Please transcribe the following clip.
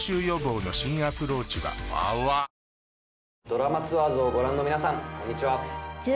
『ドラマツアーズ』をご覧の皆さんこんにちは。